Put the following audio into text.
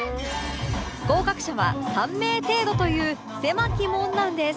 合格者は３名程度という狭き門なんです